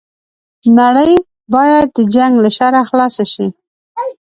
نړۍ بايد د جنګ له شره خلاصه شي